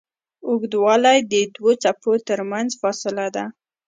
اوږدوالی د دوو څپو تر منځ فاصله ده.